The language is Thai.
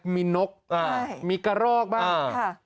มีนกมีกระรอกบ้าง